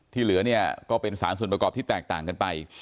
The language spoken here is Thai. เหลือเนี่ยก็เป็นสารส่วนประกอบที่แตกต่างกันไป